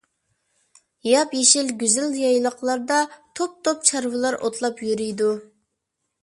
ياپيېشىل، گۈزەل يايلاقلاردا توپ-توپ چارۋىلار ئوتلاپ يۈرىدۇ.